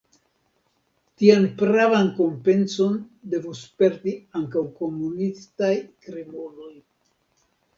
Tian pravan kompenson devus sperti ankaŭ komunistaj krimuloj.